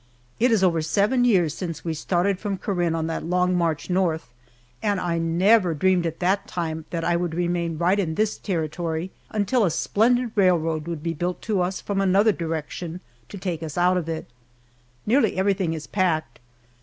It is over seven years since we started from Corinne on that long march north, and I never dreamed at that time that I would remain right in this territory, until a splendid railroad would be built to us from another direction to take us out of it. Nearly everything is packed.